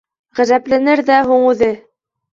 Ғәжәпләнер ҙә һуң үҙе!